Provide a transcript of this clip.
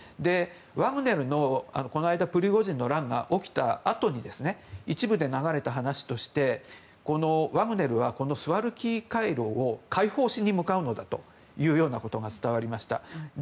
ワグネルのこの間プリゴジンの乱が起きたあとに一部で流れた話としてワグネルはこのスバウキ回廊を解放しに向かうのだというようなことが伝わりました。